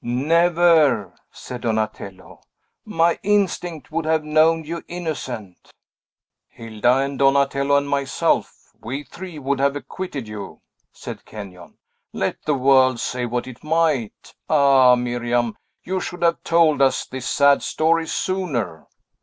"Never," said Donatello, "my instinct would have known you innocent." "Hilda and Donatello and myself, we three would have acquitted you," said Kenyon, "let the world say what it might. Ah, Miriam, you should have told us this sad story sooner!"